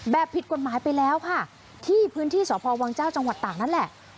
ผิดกฎหมายไปแล้วค่ะที่พื้นที่สพวังเจ้าจังหวัดตากนั่นแหละ